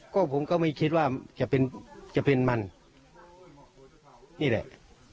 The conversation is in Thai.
ก็ผมก็ไม่คิดว่าจะเป็นจะเป็นมันนี่แหละ